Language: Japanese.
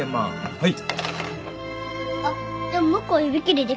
はい。